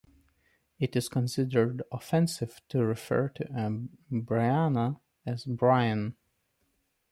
It is considered offensive to refer to a "Brianna" as "Brian".